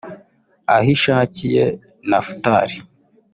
Ahishakiye Naphtali